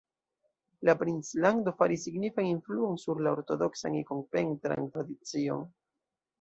La princlando faris signifan influon sur la ortodoksan ikon-pentran tradicion.